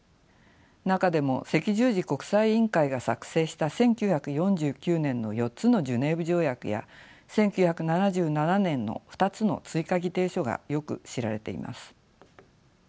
中でも赤十字国際委員会が作成した１９４９年の４つのジュネーブ条約や１９７７年の２つの追加議定書がよく知られています。